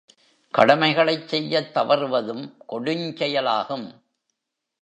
கடமைகளைச் செய்யத் தவறுவதும் கொடுஞ்செயலாகும்.